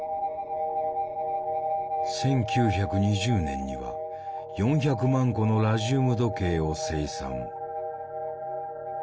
１９２０年には４００万個のラジウム時計を生産。